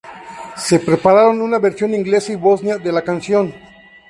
Se prepararon una versión inglesa y bosnia de la canción.